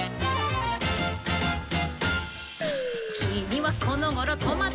「きみはこのごろトマトだね」